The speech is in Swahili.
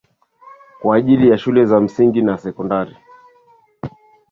kwa ajili ya shule za msingi na sekondari